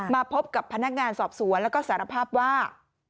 มาพบกับพนักงานสอบสวนแล้วก็สารภาพว่า